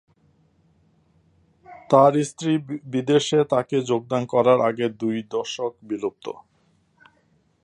তার স্ত্রী বিদেশে তাকে যোগদান করার আগে দুই দশক বিলুপ্ত।